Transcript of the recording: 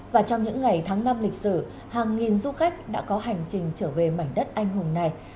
và trong những ngày tháng năm lịch sử hàng nghìn du khách đã có hành trình trở về mảnh đất anh hùng này